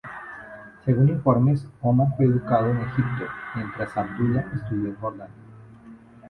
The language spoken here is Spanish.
Según informes, Omar fue educado en Egipto mientras Abdullah estudió en Jordania.